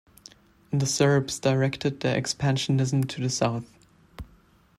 The Serbs directed their expansionism to the south.